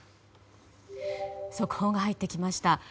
速報が入ってきました。